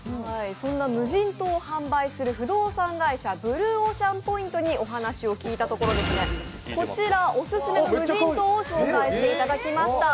そんな無人島を販売する不動産会社、ブルーオーシャンポイントにお話を聞いたところ、オススメの無人島を紹介していただきました。